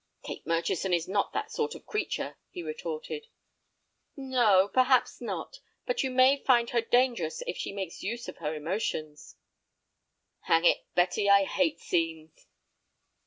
"Kate Murchison is not that sort of creature," he retorted. "No, perhaps not. But you may find her dangerous if she makes use of her emotions." "Hang it, Betty, I hate scenes!"